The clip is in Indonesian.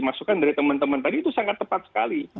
masukan dari teman teman tadi itu sangat tepat sekali